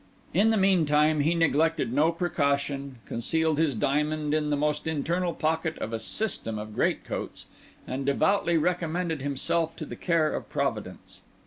In the meantime he neglected no precaution, concealed his diamond in the most internal pocket of a system of great coats, and devoutly recommended himself to the care of Providence.